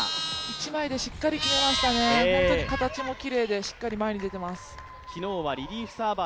一枚でしっかり決めましたね、本当に形もきれいでしっかり前に出ています。